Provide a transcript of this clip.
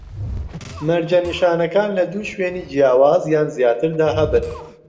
مەرجە نیشانەکان لە دوو شوێنی جیاواز یان زیاتر دا هەبن